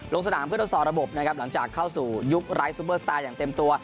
ลงสนามเพื่อทดสอบระบบนะครับหลังจากเข้าสู่ยุคไร้ซูเปอร์สตาร์อย่างเต็มตัว